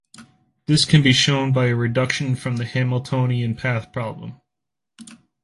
This can be shown by a reduction from the Hamiltonian path problem.